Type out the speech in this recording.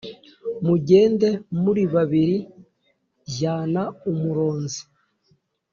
mugende muri babiri jyana umuronzi